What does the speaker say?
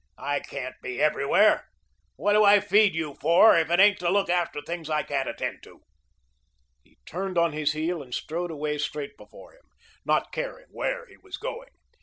I can't be everywhere. What do I feed you for if it ain't to look after things I can't attend to?" He turned on his heel and strode away straight before him, not caring where he was going.